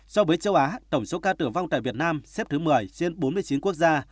so với châu á tổng số ca tử vong tại việt nam xếp thứ một mươi trên bốn mươi chín quốc gia